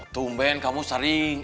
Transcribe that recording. tumben kamu sering